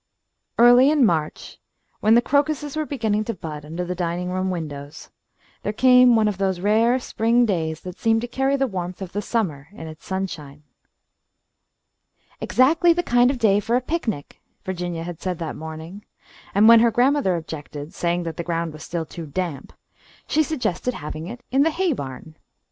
Early in March, when the crocuses were beginning to bud under the dining room windows, there came one of those rare spring days that seem to carry the warmth of summer in its sunshine. "Exactly the kind of a day for a picnic," Virginia had said that morning, and when her grandmother objected, saying that the ground was still too damp, she suggested having it in the hay barn.